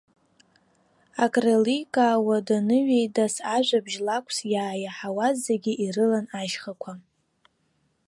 Акреиликаауа даныҩеидас, ажәабжь лакәс иааиаҳауаз зегьы ирылан ашьхақәа.